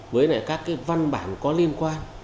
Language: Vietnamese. với các văn bản có liên quan